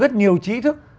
rất nhiều trí thức